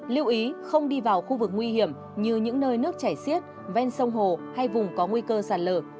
lưu ý không đi vào khu vực nguy hiểm như những nơi nước chảy xiết ven sông hồ hay vùng có nguy cơ sạt lở